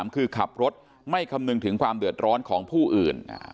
คือขับรถไม่คำนึงถึงความเดือดร้อนของผู้อื่น